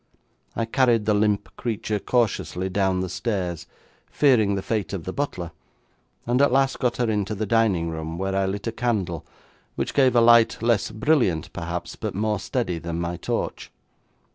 I carried the limp creature cautiously down the stairs, fearing the fate of the butler, and at last got her into the dining room, where I lit a candle, which gave a light less brilliant, perhaps, but more steady than my torch.